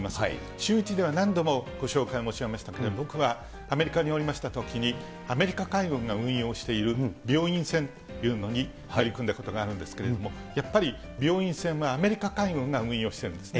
シューイチでは何度もご紹介申し上げましたけれども、僕はアメリカにおりましたときに、アメリカ海軍が運用している病院船というのに入り込んだことがあるんですけれども、やっぱり病院船はアメリカ海軍が運用をしているんですね。